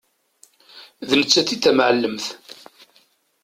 D nettat i d tamεellemt.